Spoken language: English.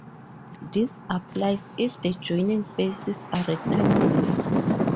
This applies if the joining faces are rectangular.